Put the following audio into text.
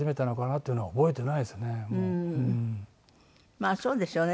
まあそうですよね。